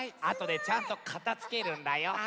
あとでちゃんとかたづけるんだよ。